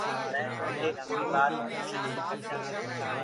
مينٚ توندي ڪآئي ٻآت پوڇونٚ؟